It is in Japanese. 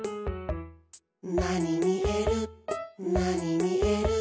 「なにみえるなにみえる」